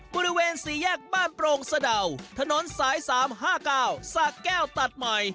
บริเวณสี่แยกบ้านโปรงสะเดาถนนสายสามห้ากาวสระแก้วตัดใหม่